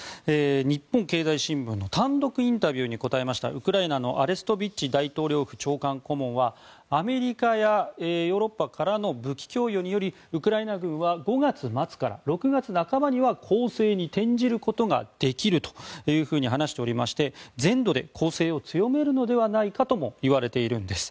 日本経済新聞の単独インタビューに答えましたウクライナのアレストビッチ大統領府長官顧問はアメリカやヨーロッパからの武器供与によりウクライナ軍は５月末から６月半ばには攻勢に転じることができるというふうに話しておりまして全土で攻勢を強めるのではないかともいわれているんです。